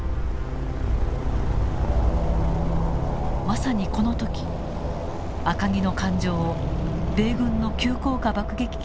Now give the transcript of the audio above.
まさにこの時赤城の艦上を米軍の急降下爆撃機が襲った。